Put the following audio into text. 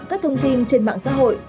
các thông tin trên mạng xã hội